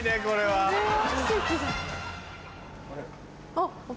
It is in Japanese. あっ！